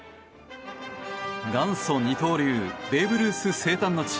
元祖二刀流ベーブ・ルース生誕の地